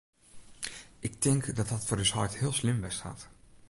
Ik tink dat dat foar ús heit heel slim west hat.